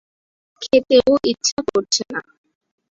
খেতেও ইচ্ছা করছে না।